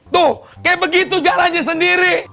tuh kayak begitu jalannya sendiri